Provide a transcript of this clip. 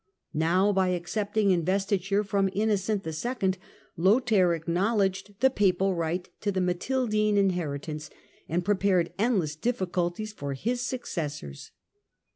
Now, by accepting investiture from Innocent II., Lothair acknowledged the papal right to the Matildine inherit ance, and prepared endless difficulties for his successors.